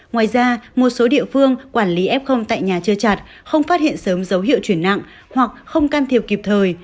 ngoài ra một số địa phương quản lý f tại nhà chưa chặt không phát hiện sớm dấu hiệu chuyển nặng hoặc không can thiệp kịp thời